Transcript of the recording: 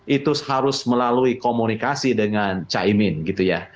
itu harus melalui komunikasi dengan caimin gitu ya